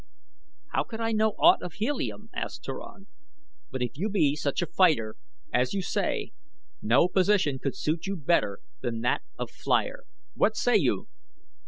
"How could I know aught of Helium?" asked Turan; "but if you be such a fighter as you say no position could suit you better than that of Flier. What say you?"